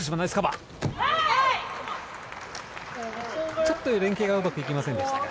ちょっと連係がうまくいきませんでしたか。